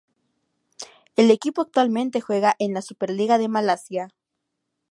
El equipo actualmente juega en la Superliga de Malasia.